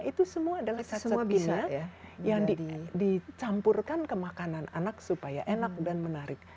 itu semua adalah satu kisah yang dicampurkan ke makanan anak supaya enak dan menarik